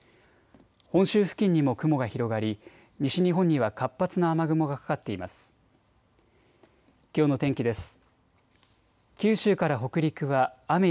本州付近にも雲が広がり西日本には活発な雨雲がかかっています。